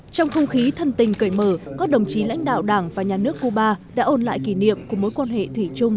trong không khí thân tình cởi mở các đồng chí lãnh đạo đảng và nhà nước cuba đã ôn lại kỷ niệm của mối quan hệ thủy chung